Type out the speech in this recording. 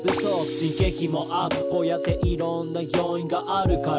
「こうやっていろんな要因があるから」